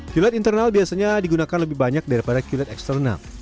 qled internal biasanya digunakan lebih banyak daripada qled eksternal